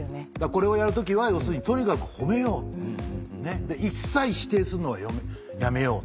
これをやる時は要するにとにかく褒めよう一切否定するのはやめよう。